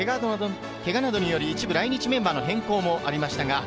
けがなどにより一部、来日メンバーの変更がありました。